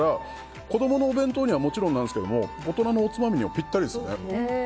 子供のお弁当にはもちろんなんですけど大人のおつまみにもぴったりですね。